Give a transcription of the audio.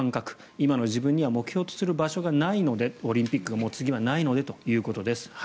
今の自分には目標とする場所がないのでオリンピックが次はないのでということです。